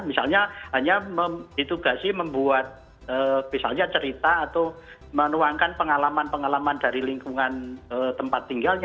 misalnya hanya ditugasi membuat misalnya cerita atau menuangkan pengalaman pengalaman dari lingkungan tempat tinggalnya